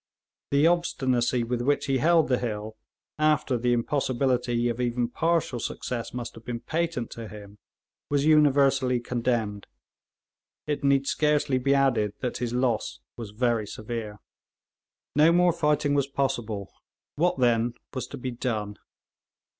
The obstinacy with which he held the hill after the impossibility of even partial success must have been patent to him, was universally condemned. It need scarcely be added that his loss was very severe. No more fighting was possible. What, then, was to be done?